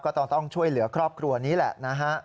ต้องช่วยเหลือครอบครัวนี้แหละนะฮะ